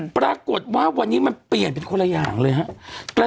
ปรากฏว่าวันนี้มันเปลี่ยนเป็นคนละอย่างเลยครับ